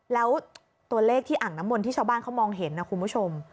แล้วตัวเลขที่อ่างน้ำมนต์ที่ชาวบ้านเขามองเห็นนะคุณผู้ชม